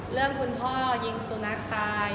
เรื่องคุณพ่อยิงสุนัขตาย